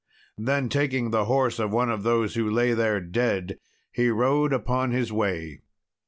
Then taking the horse of one of those that lay there dead, he rode upon his way.